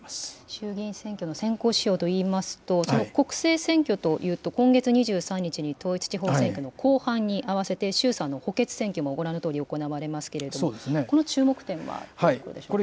衆議院選挙の先行指標といいますと、国政選挙というと今月２３日に、統一地方選挙の後半に合わせて、衆参の補欠選挙もご覧のとおり、行われますけれども、この注目点はどうでしょうか。